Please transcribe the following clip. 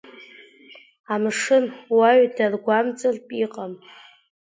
Амшын уаҩ даргәамҵыртә иҟам.